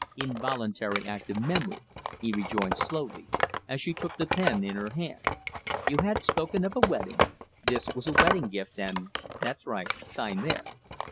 "Involuntary act of memory," he rejoined slowly, as she took the pen in her hand. "You had spoken of a wedding, this was a wedding gift, and that's right, sign there!"